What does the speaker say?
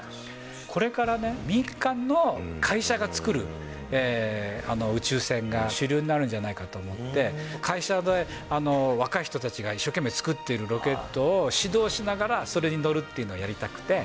これから民間の会社が作る宇宙船が主流になるんじゃないかと思って、会社で若い人たちが一生懸命作っているロケットを指導しながら、それに乗るっていうのはやりたくて。